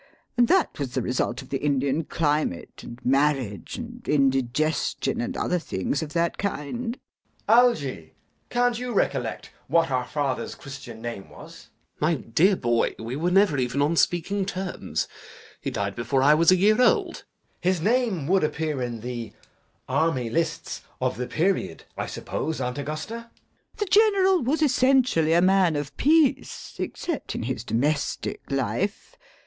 And that was the result of the Indian climate, and marriage, and indigestion, and other things of that kind. JACK. Algy! Can't you recollect what our father's Christian name was? ALGERNON. My dear boy, we were never even on speaking terms. He died before I was a year old. JACK. His name would appear in the Army Lists of the period, I suppose, Aunt Augusta? LADY BRACKNELL. The General was essentially a man of peace, except in his domestic life.